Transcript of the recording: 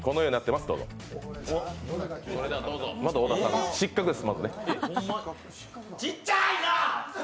まず小田さん、失格です。